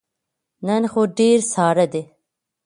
نن خو ډیر ساړه دی